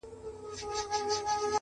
ښه خلک زړونه ګټي.